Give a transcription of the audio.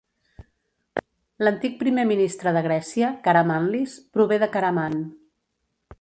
L'antic primer ministre de Grècia, Karamanlis, prové de Karaman.